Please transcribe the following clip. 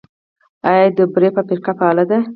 آیا د بورې فابریکه فعاله ده؟